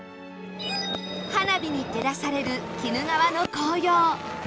花火に照らされる鬼怒川の紅葉